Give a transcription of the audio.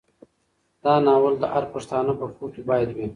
دا ناول د هر پښتانه په کور کې باید وي.